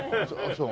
そう？